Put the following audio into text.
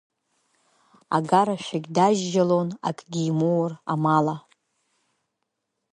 Агарашәагь дажьжьалон, акгьы имоур амала.